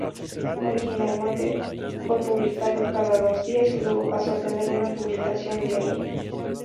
Originalmente fue publicado cada dos días, y luego pasó a tener una publicación diaria.